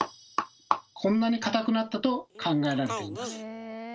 こんなに硬くなったと考えられています。